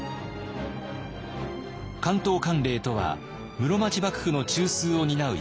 関東管領とは室町幕府の中枢を担う役職。